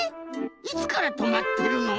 いつからとまってるの？